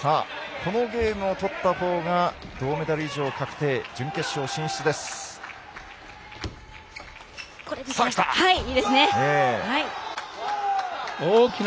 このゲームを取った方が銅メダル以上確定準決勝進出です。